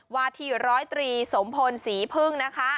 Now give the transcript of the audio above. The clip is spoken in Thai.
วาทีร้อยตรีสมพลศรีพึ่งนะคะ